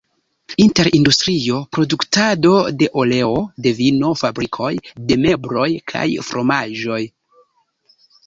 Inter industrio, produktado de oleo, de vino, fabrikoj de mebloj kaj fromaĝoj.